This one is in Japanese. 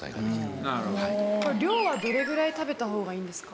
量はどれぐらい食べた方がいいんですか？